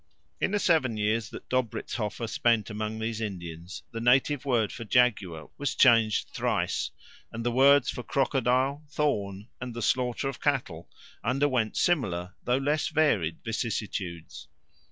In the seven years that Dobrizhoffer spent among these Indians the native word for jaguar was changed thrice, and the words for crocodile, thorn, and the slaughter of cattle underwent similar though less varied vicissitudes.